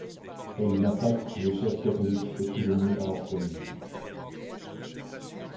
Elle y massacre les chefs catholiques faits prisonniers à Orthez.